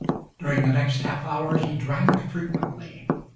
During the next half hour he drank frequently.